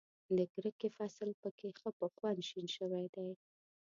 د کرکې فصل په کې ښه په خوند شین شوی دی.